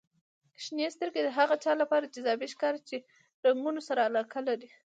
• شنې سترګې د هغه چا لپاره جذابې ښکاري چې د رنګونو سره علاقه لري.